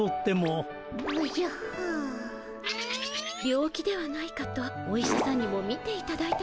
病気ではないかとお医者さんにもみていただいたのですが。